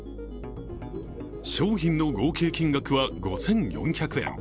商品の合計金額は５４００円。